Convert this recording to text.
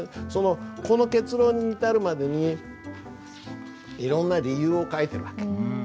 この結論に至るまでにいろんな理由を書いてる訳。